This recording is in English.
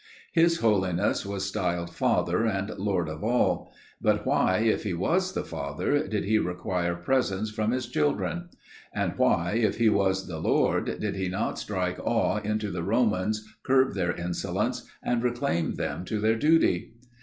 His Holiness was styled Father and Lord of all: but why, if he was the Father, did he require presents from his children? and why, if he was the Lord, did he not strike awe into the Romans, curb their insolence, and reclaim them to their duty?